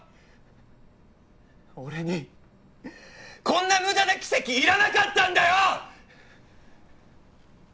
俺にこんな無駄な奇跡いらなかったんだよ！